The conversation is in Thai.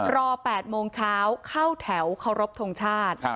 รอ๘โมงเช้าเข้าแถวเคารพทงชาติ